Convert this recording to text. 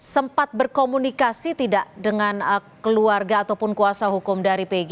sempat berkomunikasi tidak dengan keluarga ataupun kuasa hukum dari pg